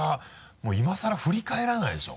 もう今更振り返らないでしょ。